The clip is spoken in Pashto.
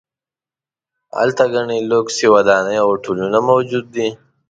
هلته ګڼې لوکسې ودانۍ او هوټلونه موجود دي.